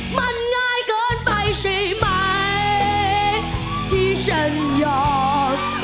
มันง่ายเกินไปใช่ไหมที่ฉันยอม